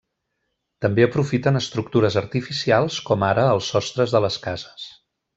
També aprofiten estructures artificials com ara els sostres de les cases.